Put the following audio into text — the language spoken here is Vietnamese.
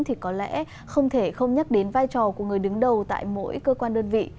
thì có lẽ không thể không nhắc đến vai trò của người đứng đầu tại mỗi cơ quan đơn vị